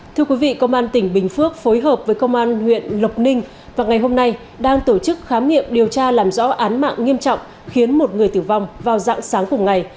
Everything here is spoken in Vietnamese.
thưa quý vị công an tỉnh bình phước phối hợp với công an huyện lộc ninh và ngày hôm nay đang tổ chức khám nghiệm điều tra làm rõ án mạng nghiêm trọng khiến một người tử vong vào dạng sáng cùng ngày